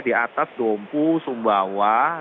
di atas dompu sumbawa